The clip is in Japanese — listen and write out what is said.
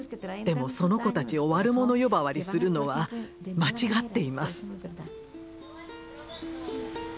でもその子たちを悪者呼ばわりするのは間違っています。